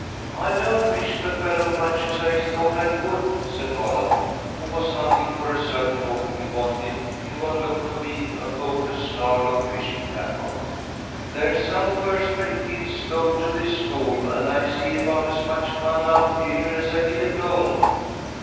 "I don't miss the fellows much as I thought I would," said Holland, who was hunting for a certain hook he wanted in what looked to be a hopeless snarl of fishing tackle. "There's some first rate kids go to this school, and I see about as much fun out here as I did at home."